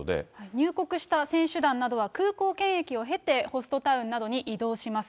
入国した選手団などは、空港検疫を経てホストタウンなどに移動します。